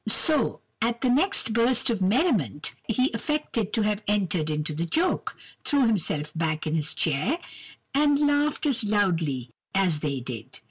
"So, at the next burst of merriment, he affected to have entered into the joke, threw himself back in his chair and laughed as loudly as they did.